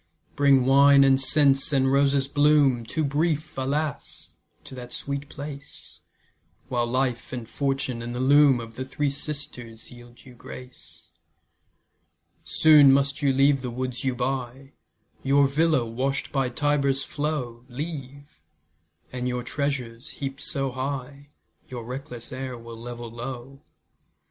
Bring wine and scents, and roses' bloom, Too brief, alas! to that sweet place, While life, and fortune, and the loom Of the Three Sisters yield you grace. Soon must you leave the woods you buy, Your villa, wash'd by Tiber's flow, Leave, and your treasures, heap'd so high, Your reckless heir will level low.